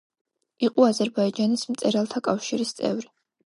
იყო აზერბაიჯანის მწერალთა კავშირის წევრი.